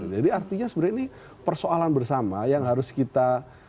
jadi artinya sebenarnya ini persoalan bersama yang harus kita